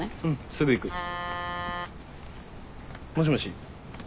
すぐ行く。もしもし。